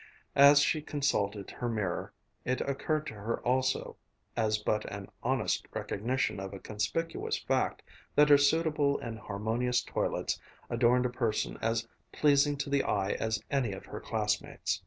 As she consulted her mirror, it occurred to her also, as but an honest recognition of a conspicuous fact, that her suitable and harmonious toilets adorned a person as pleasing to the eye as any of her classmates.